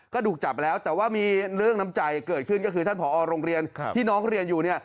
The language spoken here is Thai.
ก็ถูกจับแล้วแต่ว่ามีเรื่องน้ำใจเกิดขึ้นก็คือท่านผอโรงเรียนที่น้องเรียนอยู่เนี่ย